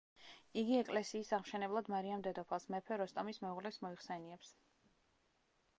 იგი ეკლესიის აღმშენებლად მარიამ დედოფალს, მეფე როსტომის მეუღლეს მოიხსენიებს.